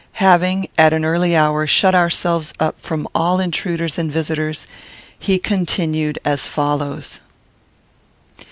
Having, at an early hour, shut ourselves up from all intruders and visitors, he continued as follows.